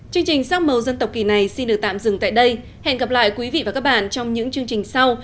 chương trình sắc màu dân tộc kỳ này xin được tạm dừng tại đây hẹn gặp lại quý vị và các bạn trong những chương trình sau